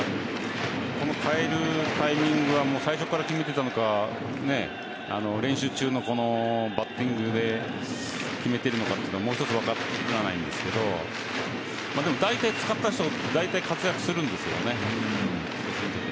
この代えるタイミングは最初から決めていたのか練習中のバッティングで決めているのか分からないんですけどでもだいたい使った人が活躍するんですよね。